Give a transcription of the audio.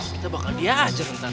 kita bakal diajar ntar